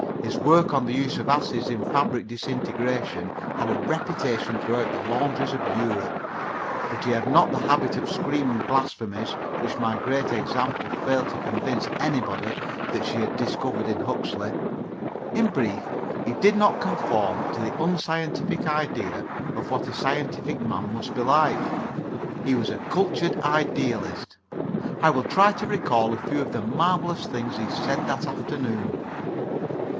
His work on the use of acids in fabric disintegration has a reputation throughout the laundries of Europe. But he had not the habit of screaming blasphemies which my Great Example failed to convince anybody that she had discovered in Huxley. In brief, he did not conform to the unscientific idea of what a scientific man must be like. He was a cultured idealist. I will try to recall a few of the marvellous things he said that afternoon.